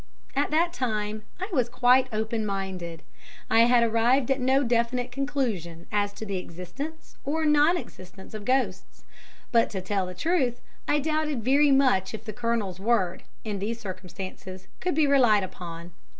At that time I was quite open minded, I had arrived at no definite conclusion as to the existence or non existence of ghosts. But to tell the truth, I doubted very much if the Colonel's word, in these circumstances, could be relied upon.